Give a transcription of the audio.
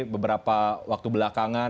beberapa waktu belakangan